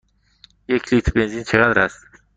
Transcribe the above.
یک لیتر بنزین چقدر است؟